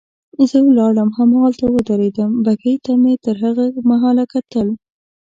زه ولاړم هماغلته ودرېدم، بګۍ ته مې تر هغه مهاله کتل.